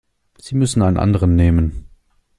Sie müssen einen anderen nehmen.